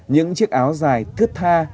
những chiếc áo dài thướt tha